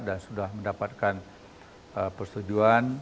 dan sudah mendapatkan persetujuan